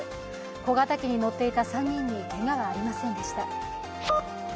小型機に乗っていた３人にけがはありませんでした。